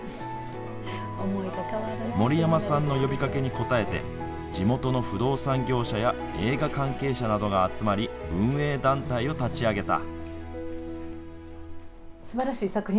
森山さんの呼びかけに応えて、地元の不動産業者や映画関係者などが集まり、運営団体を立ち上げた。